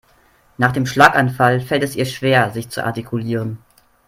Nach dem Schlaganfall fällt es ihr schwer sich zu artikulieren.